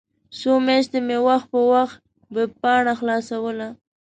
څو میاشتې مې وخت په وخت ویبپاڼه خلاصوله.